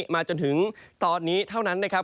จนถึงตอนนี้เท่านั้นนะครับ